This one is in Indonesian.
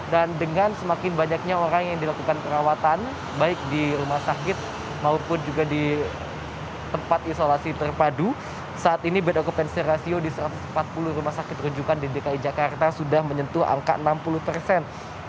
dan dengan semakin banyaknya orang yang dilakukan perawatan baik di rumah sakit maupun juga di tempat isolasi terpadu saat ini bedokupansi rasio di satu ratus empat puluh rumah sakit rujukan ddki jakarta sudah menyentuh angka enam puluh persen